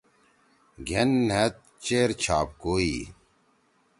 گھین نھید چیر چھاپ کوئی۔